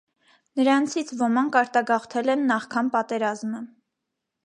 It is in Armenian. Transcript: Նրանցից ոման արտագաղթել են նախքան պատերազմը։